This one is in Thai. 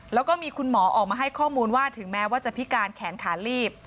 แล้วก็มีคุณหมอออกมาให้ข้อมูลว่าถึงแม้ว่าจะพิการแขนขาลีบ